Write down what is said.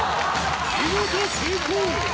見事成功！